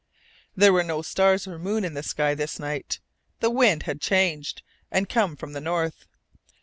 There were no stars or moon in the sky this night. The wind had changed, and came from the north.